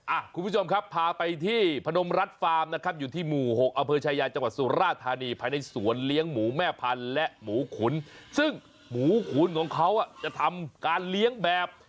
อ่ะคุณผู้ชมครับพาไปที่พนมรัฐฟาร์มนะครับอยู่ที่หมู่หกอำเภอชายาจังหวัดสุราธานีภายในสวนเลี้ยงหมูแม่พันธุ์และหมูขุนซึ่งหมูขุนของเขาอ่ะจะทำการเลี้ยงแบบ